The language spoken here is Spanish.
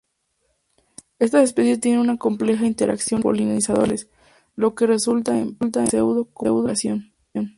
Estas especies tienen una compleja interacción con los polinizadores, lo que resulta en pseudo-copulación.